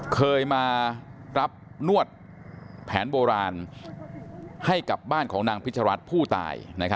เคยมารับนวดแผนโบราณให้กับบ้านของนางพิชรัฐผู้ตาย